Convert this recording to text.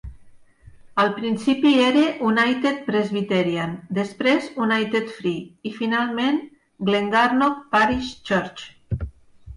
Al principi era United Presbyterian, després United Free i finalment Glengarnock Parish Church.